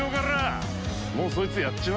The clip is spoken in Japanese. もうそいつやっちまうわ。